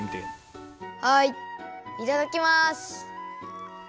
はいいただきます。